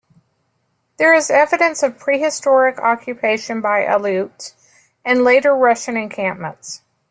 There is evidence of prehistoric occupation by Aleuts and later Russian encampments.